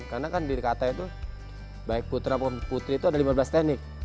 karena kan di kt itu baik putra atau putri itu ada lima belas teknik